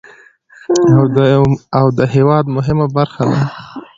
او د هېواد مهمه فابريكه ده،